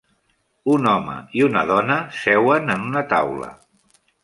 Un home i una dona seuen en una taula.